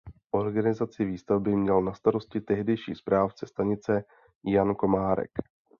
Organizaci výstavby měl na starosti tehdejší správce stanice Jan Komárek.